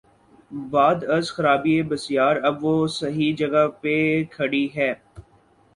بعد از خرابیٔ بسیار، اب وہ صحیح جگہ پہ کھڑی ہے۔